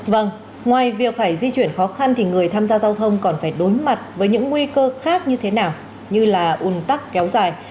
vâng ngoài việc phải di chuyển khó khăn thì người tham gia giao thông còn phải đối mặt với những nguy cơ khác như thế nào như là un tắc kéo dài